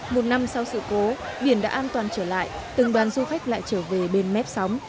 một năm sau sự cố biển đã an toàn trở lại từng đoàn du khách lại trở về bên mép sóng